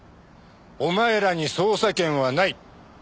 お前らに捜査権はない。